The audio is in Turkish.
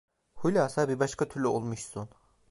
Hulasa bir başka türlü olmuşsun.